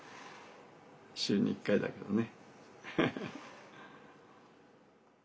週に１回だけどね。